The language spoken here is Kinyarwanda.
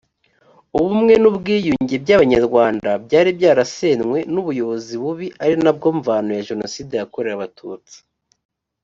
ubumwe n’ubwiyunge by’abanyarwanda byari byarasenywe n’ubuyobozi bubi ari na bwo mvano ya jenoside yakorewe abatutsi